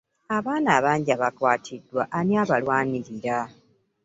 Abaana abangi abakwatiddwa ani abalwanirira?